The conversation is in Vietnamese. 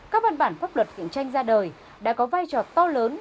các văn bản pháp luật cạnh tranh ra đời đã có vai trò to lớn